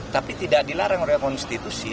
tapi tidak dilarang oleh konstitusi